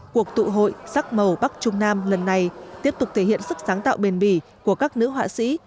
cuộc tụ hội sắc màu bắc trung nam lần này tiếp tục thể hiện sức sáng tạo bền bỉ của các nữ họa sĩ